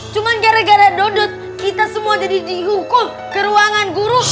cuma gara gara dodot kita semua jadi dihukum ke ruangan guru